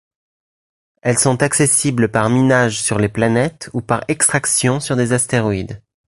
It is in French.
Elles sont accessibles par minage sur les planètes ou par extraction sur des astéroïdes.